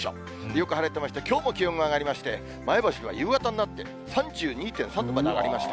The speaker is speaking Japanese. よく晴れてまして、きょうも気温が上がりまして、前橋では夕方になって、３２．３度まで上がりました。